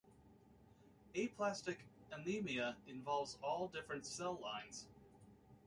Aplastic anemia involves all different cell lines.